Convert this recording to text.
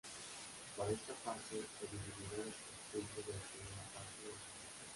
Para esta fase, se dividirán los puntos de la "primera fase" entre dos.